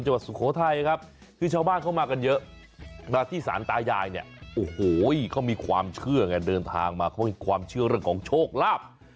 เชื่อเนี่ยเดินทางมาเขามีความเชื่อเรื่องของโชคลาภ